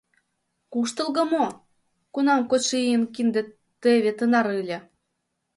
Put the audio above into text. Куштылго мо, кунам кодшо ийын кинде теве тынар ыле?